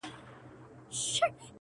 تور نصيب يې كړل په برخه دوږخونه!!